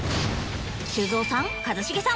修造さん一茂さん